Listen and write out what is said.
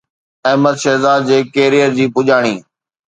احمد شهزاد جي ڪيريئر جي پڄاڻي